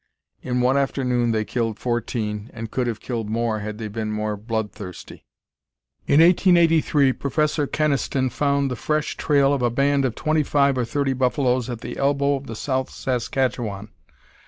In one afternoon they killed fourteen, and could have killed more had they been more blood thirsty. In 1883 Professor Kenaston found the fresh trail of a band of twenty five or thirty buffaloes at The Elbow of the South Saskatchewan.